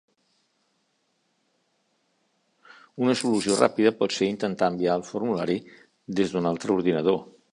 Una solució ràpida pot ser intentar enviar el formulari des d'un altre ordinador.